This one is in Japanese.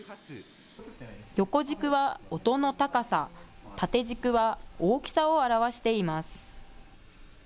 横軸は音の高さ、縦軸は大きさを表しています。